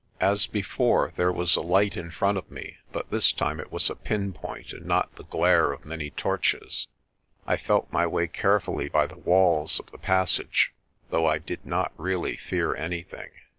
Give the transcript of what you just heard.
As before, there was a light in front of me but this time it was a pinpoint and not the glare of many torches. I felt my way carefully by the walls of the passage, though I did not really fear anything.